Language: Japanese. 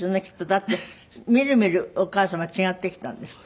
だってみるみるお母様違ってきたんですって？